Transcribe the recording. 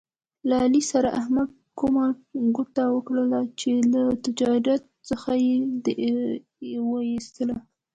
له علي سره احمد کومه ګوته وکړله، چې له تجارت څخه یې و ایستلا.